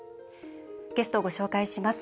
ゲストをご紹介します。